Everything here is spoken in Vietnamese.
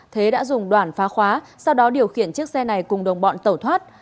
thế đã dùng đoạn phá khóa sau đó điều khiển chiếc xe này cùng đồng bọn tẩu thoát